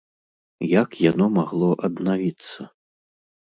Як яно магло аднавіцца?